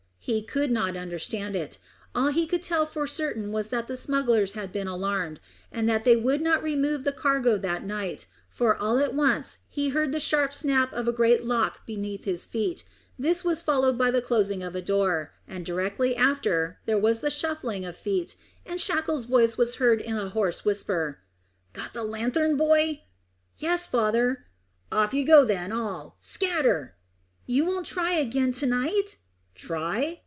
He could not understand it; all he could tell for certain was that the smugglers had been alarmed, and that they would not remove the cargo that night, for all at once he heard the sharp snap of a great lock beneath his feet; this was followed by the closing of a door, and directly after there was the shuffling of feet, and Shackle's voice was heard in a hoarse whisper, "Got the lanthorn, boy?" "Yes, father." "Off you go then all. Scatter!" "You won't try again to night?" "Try?